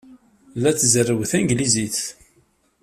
La tzerrew tanglizit.